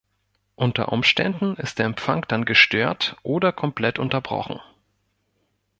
Unter Umständen ist der Empfang dann gestört oder komplett unterbrochen.